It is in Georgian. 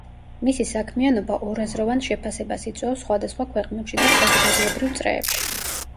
მისი საქმიანობა ორაზროვან შეფასებას იწვევს სხვადასხვა ქვეყნებში და საზოგადოებრივ წრეებში.